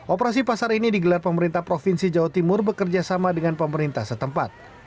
operasi pasar ini digelar pemerintah provinsi jawa timur bekerjasama dengan pemerintah setempat